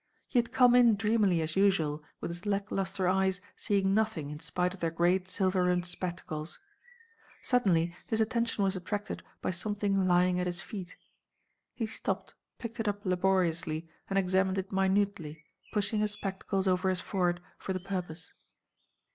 He had come in dreamily as usual with his lack lustre eyes seeing nothing in spite of their great silver rimmed spectacles. Suddenly his attention was attracted by something lying at his feet. He stopped, picked it up laboriously, and examined it minutely, pushing his spectacles over his forehead for the purpose.